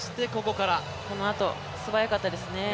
このあと、素早かったですね。